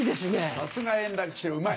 さすが円楽師匠うまい。